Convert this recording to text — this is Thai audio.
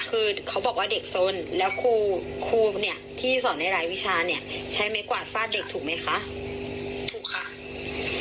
คือเขาบอกว่าเด็กสนแล้วครูครูเนี่ยที่สอนในหลายวิชาเนี่ยใช้ไม้กวาดฟาดเด็กถูกไหมคะถูกค่ะ